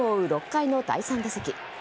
６回の第３打席。